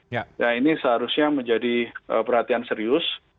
nah ini seharusnya menjadi perhatian serius